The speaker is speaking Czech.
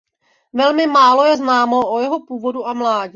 Velmi málo je známo o jeho původu a mládí.